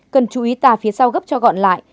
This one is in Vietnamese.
cần chú ý tà phía sau gấp cho gọn lại